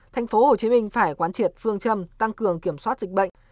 thành phố hồ chí minh phải quán triệt phương châm tăng cường kiểm soát dịch bệnh